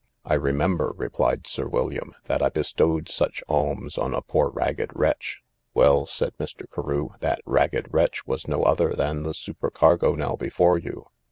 I remember, replied Sir William, that I bestowed such alms on a poor ragged wretch. Well, said Mr. Carew, that ragged wretch was no other than the supercargo now before you.